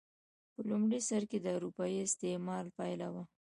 په لومړي سر کې د اروپايي استعمار پایله وه.